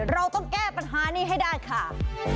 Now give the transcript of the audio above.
เราต้องแก้ปัญหานี้ให้ได้ค่ะ